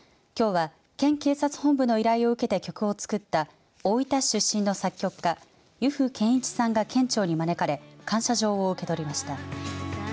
きょうは県警察本部の曲で依頼があった大分市出身の作曲家油布賢一さんが県庁に招かれ感謝状を受け取りました。